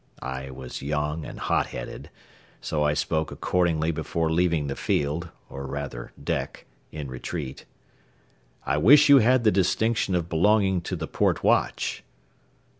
I was young and hot headed, so I spoke accordingly before leaving the field, or rather deck, in retreat. "I wish you had the distinction of belonging to the port watch."